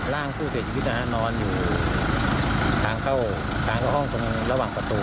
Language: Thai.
ร่างผู้เสียชีวิตนะฮะนอนอยู่ทางเข้าทางเข้าห้องตรงระหว่างประตู